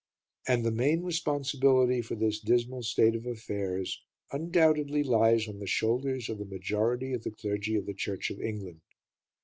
And the main responsibility for this dismal state of affairs undoubtedly lies on the shoulders of the majority of the clergy of the Church of England.